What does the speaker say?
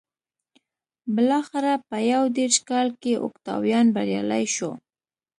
بلاخره په یو دېرش کال کې اوکتاویان بریالی شو